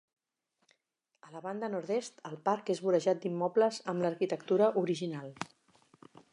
A la banda Nord-est, el parc és vorejat d'immobles amb l'arquitectura original.